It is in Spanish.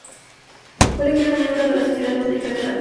Fue elegido miembro de la Sociedad Botánica de Francia